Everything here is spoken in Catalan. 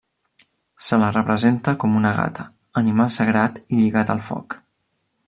Se la representa com una gata, animal sagrat i lligat al foc.